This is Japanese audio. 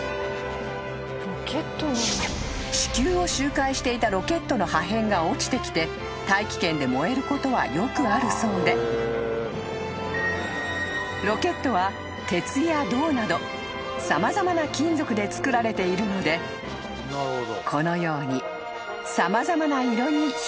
［地球を周回していたロケットの破片が落ちてきて大気圏で燃えることはよくあるそうでロケットは鉄や銅など様々な金属でつくられているのでこのように様々な色に光るんだそう］